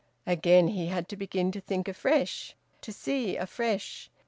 Again, he had to begin to think afresh, to see afresh.